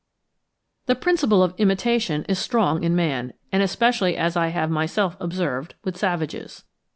The principle of IMITATION is strong in man, and especially, as I have myself observed, with savages.